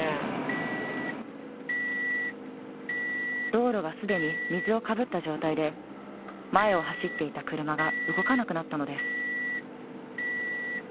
道路がすでに水をかぶった状態で、前を走っていた車が動かなくなったのです。